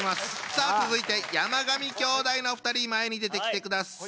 さあ続いて山上兄弟のお二人前に出てきてください。